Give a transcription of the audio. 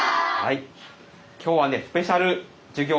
今日はねスペシャル授業